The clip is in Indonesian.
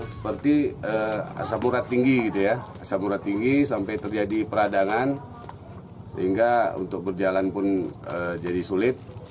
seperti asap urat tinggi gitu ya asap urat tinggi sampai terjadi peradangan sehingga untuk berjalan pun jadi sulit